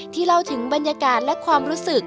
เล่าถึงบรรยากาศและความรู้สึก